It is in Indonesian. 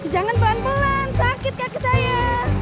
jangan pelan pelan sakit kaki saya